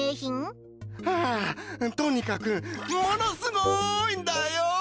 ああとにかくものすごーいんだよ。